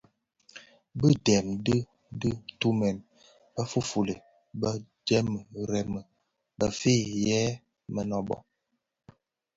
Bi dèm bi dhi tumèn bë fuufuli bë dhemi remi bëfëëg yè mënōbō.